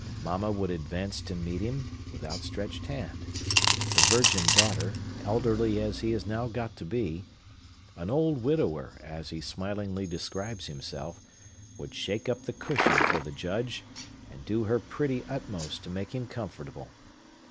Mamma would advance to meet him, with outstretched hand; the virgin daughter, elderly as he has now got to be,—an old widower, as he smilingly describes himself,—would shake up the cushion for the Judge, and do her pretty utmost to make him comfortable.